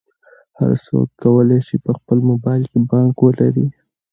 هر څوک کولی شي په خپل موبایل کې بانک ولري.